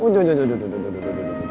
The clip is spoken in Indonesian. duduk duduk duduk